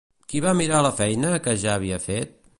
Qui va mirar la feina que ja havia fet?